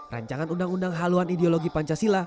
rancangan undang undang haluan ideologi pancasila